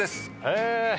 へえ！